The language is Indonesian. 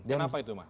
kenapa itu mas